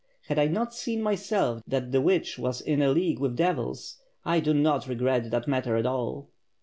Had I not seen myself that the witch waa in a league with devils! I do not regret that matter at all."